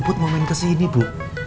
bu bu mau main kesini bu